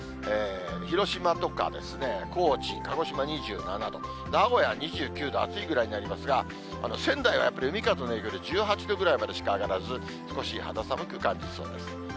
広島とか高知、鹿児島２７度、名古屋は２９度、暑いぐらいになりますが、仙台はやっぱり海風の影響で、１８度ぐらいまでしか上がらず、少し肌寒く感じそうです。